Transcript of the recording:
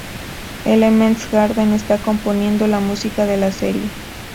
Elements Garden está componiendo la música de la serie.